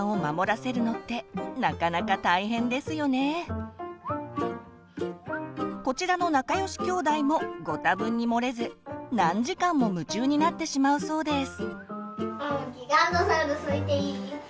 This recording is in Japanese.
子どもにこちらの仲良し兄弟もご多分に漏れず何時間も夢中になってしまうそうです。